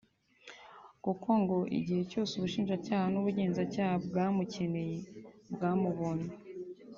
ngo kuko igihe cyose ubushinjacyaha n’ubugenzacyaha bwamukeneye bwamubonye